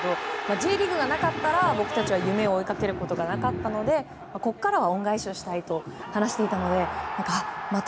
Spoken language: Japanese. Ｊリーグがなかったら僕たちは夢を追いかけることがなかったのでここからは恩返しをしたいと話していたのでまた